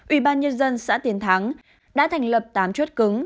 ubnd xã tiến thắng đã thành lập tám chuất cứng